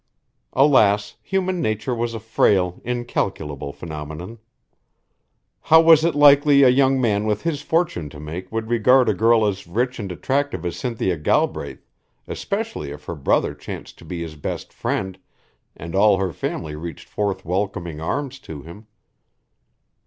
Alas, human nature was a frail, incalculable phenomenon. How was it likely a young man with his fortune to make would regard a girl as rich and attractive as Cynthia Galbraith, especially if her brother chanced to be his best friend and all her family reached forth welcoming arms to him.